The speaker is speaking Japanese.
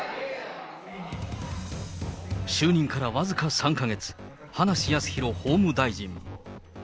就任から僅か３か月、葉梨康弘法務大臣。